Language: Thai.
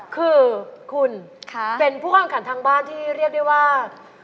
คือคุณเป็นผู้แข่งขันทางบ้านที่เรียกได้ว่า